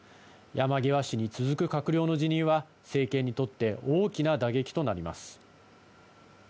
山際氏に続く閣僚の辞任は、政権にとって大きな打撃となります。